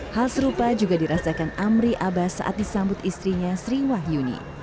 hal serupa juga dirasakan amri abbas saat disambut istrinya sri wahyuni